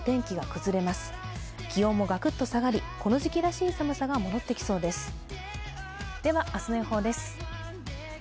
気温もガクッと下がりこの時期らしい寒さが戻ってきそうです。